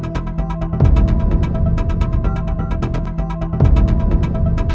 jangan bikin hidup putri makin menderita